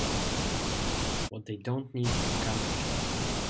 What they don't need is gun control.